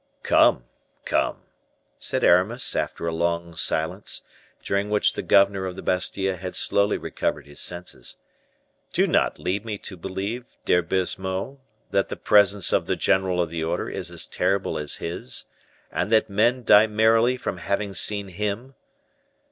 "Come, come," said Aramis, after a long silence, during which the governor of the Bastile had slowly recovered his senses, "do not lead me to believe, dear Baisemeaux, that the presence of the general of the order is as terrible as His, and that men die merely from having seen Him.